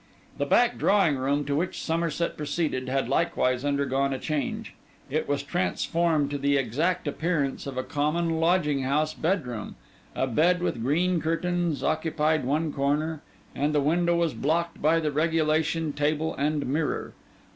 The back drawing room, to which Somerset proceeded, had likewise undergone a change. It was transformed to the exact appearance of a common lodging house bedroom; a bed with green curtains occupied one corner; and the window was blocked by the regulation table and mirror.